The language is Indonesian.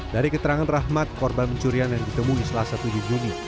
dari keterangan rahmat korban pencurian yang ditemui selasa tujuh juni